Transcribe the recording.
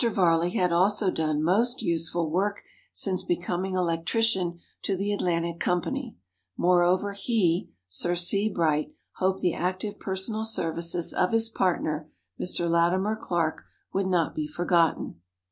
Varley had also done most useful work since becoming electrician to the "Atlantic" Company. Moreover, he (Sir C. Bright) hoped the active personal services of his partner, Mr. Latimer Clark, would not be forgotten.